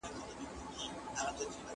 ګوهر وزير صیب